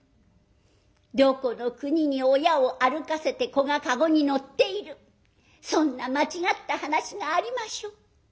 どこの国に親を歩かせて子が駕籠に乗っているそんな間違った話がありましょう。